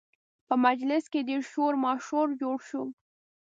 په مجلس کې ډېر شور ماشور جوړ شو